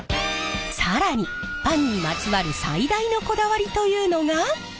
更にパンにまつわる最大のこだわりというのが！